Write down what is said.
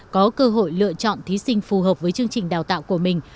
có cơ hội lựa chọn thí sinh phù hợp với chương trình đào tạo của mình